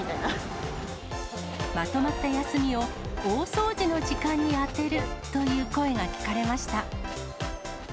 まとまった休みを、大掃除の時間にあてるという声が聞かれました。